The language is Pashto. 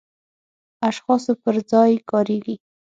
اشخاصو پر ځای کاریږي.